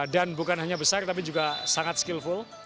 dan bukan hanya besar tapi juga sangat skillful